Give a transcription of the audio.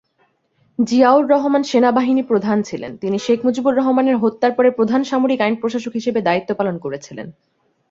জিয়াউর রহমান সেনাবাহিনী প্রধান ছিলেন, তিনি শেখ মুজিবুর রহমানের হত্যার পরে প্রধান সামরিক আইন প্রশাসক হিসাবে দায়িত্ব পালন করেছিলেন।